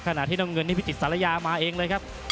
ขณะที่น้ำเงินนี่พิจิตศาลายามาเองเลยครับ